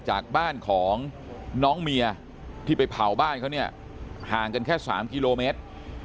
จากบ้านของน้องเมียที่ไปเผาบ้านเขาเนี่ยห่างกันแค่๓กิโลเมตร